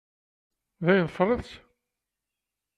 Dayen tefriḍ-tt?